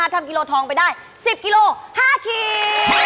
ถ้าทำกิโลทองไปได้๑๐กิโล๕คีย์